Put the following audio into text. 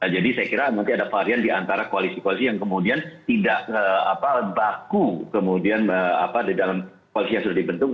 jadi saya kira nanti ada varian di antara koalisi koalisi yang kemudian tidak baku kemudian di dalam koalisi yang sudah dibentuk